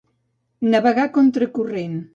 Navegar contra el corrent.